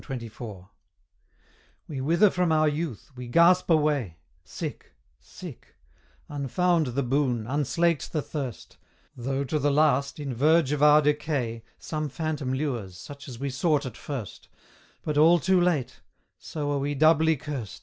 CXXIV. We wither from our youth, we gasp away Sick sick; unfound the boon, unslaked the thirst, Though to the last, in verge of our decay, Some phantom lures, such as we sought at first But all too late, so are we doubly curst.